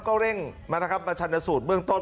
ก็เร่งมานะครับมาชันสูตรเบื้องต้น